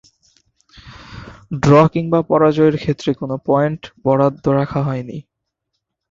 Draw কিংবা পরাজয়ের ক্ষেত্রে কোন পয়েন্ট বরাদ্দ রাখা হয়নি।